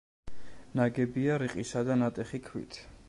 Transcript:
ნაგებია რიყისა და ნატეხი ქვით.